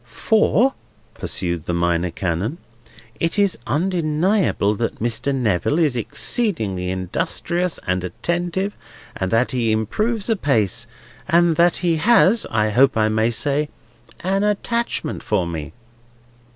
"—For," pursued the Minor Canon, "it is undeniable that Mr. Neville is exceedingly industrious and attentive, and that he improves apace, and that he has—I hope I may say—an attachment to me."